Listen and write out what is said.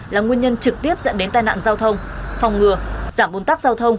là nguyên nhân trực tiếp dẫn đến tai nạn giao thông phòng ngừa giảm bốn tác giao thông